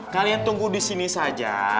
kalian tunggu disini saja